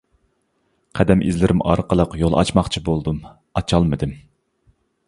قەدەم ئىزلىرىم ئارقىلىق يول ئاچماقچى بولدۇم، ئاچالمىدىم.